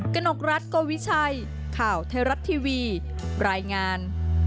กนกรัฐโกวิชัยข่าวไทยรัฐทีวีรายงาน